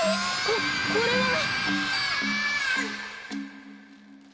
ここれは！？